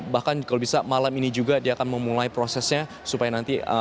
bahkan kalau bisa malam ini juga dia akan memulai prosesnya supaya nanti